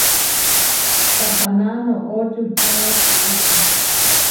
Tapaná noʼó čuhčáre kuučí.